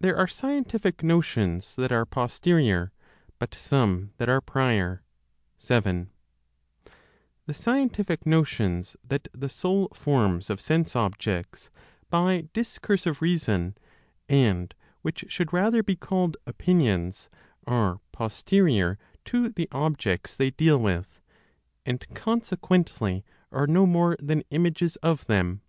THERE ARE SCIENTIFIC NOTIONS THAT ARE POSTERIOR, BUT SOME THAT ARE PRIOR. 7. The scientific notions that the soul forms of sense objects, by discursive reason, and which should rather be called opinions, are posterior to the objects (they deal with); and consequently, are no more than images of them.